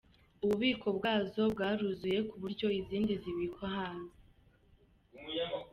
Ububiko bwazo bwaruzuye ku buryo izindi zibikwa hanze.